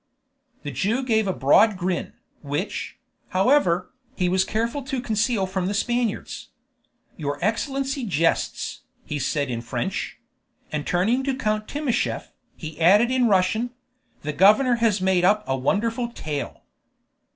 The Jew gave a broad grin, which, however, he was careful to conceal from the Spaniards. "Your Excellency jests," he said in French; and turning to Count Timascheff, he added in Russian: "The governor has made up a wonderful tale."